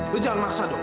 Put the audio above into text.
lo jangan maksa dong